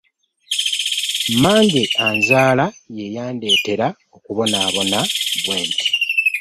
Mange anzaala ye yandetera okubonabona bwenti.